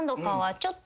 「ちょっと」